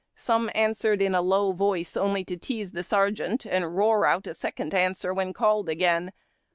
Some answered in a low voice, only to tease the sergeant, and roar out a second answer when called again.